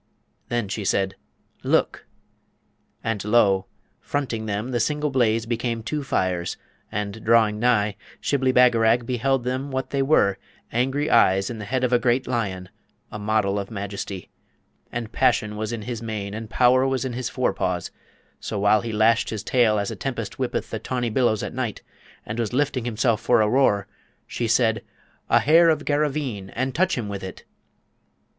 Then she said, 'Look!' And lo, fronting them the single blaze became two fires; and drawing nigh, Shibli Bagarag beheld them what they were, angry eyes in the head of a great lion, a model of majesty, and passion was in his mane and power was in his forepaws; so while he lashed his tail as a tempest whippeth the tawny billows at night, and was lifting himself for a roar, she said, 'A hair of Garraveen, and touch him with it!'